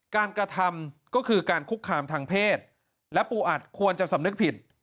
กระทำก็คือการคุกคามทางเพศและปูอัดควรจะสำนึกผิด